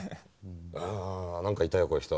あ何かいたよこういう人。